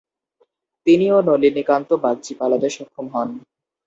তিনি ও নলিনীকান্ত বাগচি পালাতে সক্ষম হন।